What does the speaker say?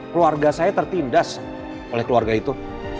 keluarga saya tertindas oleh keluarga itu